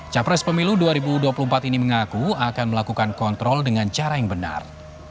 capres pemilu dua ribu dua puluh empat ini mengaku akan melakukan kontrol dengan cara yang benar